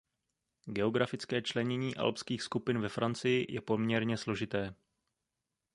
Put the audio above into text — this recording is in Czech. Geografické členění alpských skupin ve Francii je poměrně složité.